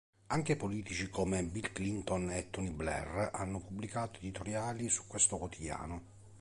Anche politici come Bill Clinton e Tony Blair hanno pubblicato editoriali su questo quotidiano.